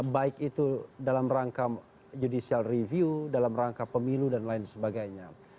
baik itu dalam rangka judicial review dalam rangka pemilu dan lain sebagainya